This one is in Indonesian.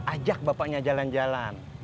ajak bapaknya jalan jalan